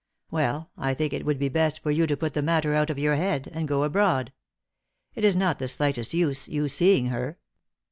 Well, I think it would be best for you to put the matter out of your head, and go abroad. It is not the slightest use you seeing her."